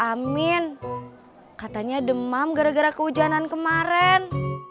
amin katanya demam gara gara kehujanan kemarin